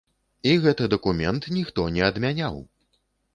І гэты дакумент ніхто не адмяняў!